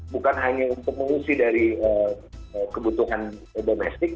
bukan hanya untuk mengisi dari kebutuhan ymkm